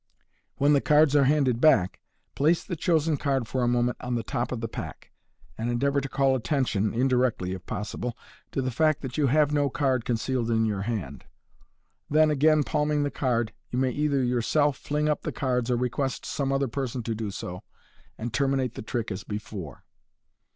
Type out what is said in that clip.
When the cards are handed back, place the chosen card for a moment on the top of the pack, and endeavour to call attention — indirectly, if possible — to the fact that you have no card concealed in your hand. Then again palming the card, you may either yourself fling up the cards or request some other person to do so, and terminate the trick as before.